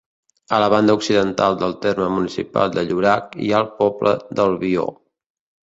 A la banda occidental del terme municipal de Llorac hi ha el poble d'Albió.